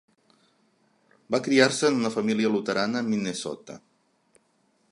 Va criar-se en una família luterana a Minnesota.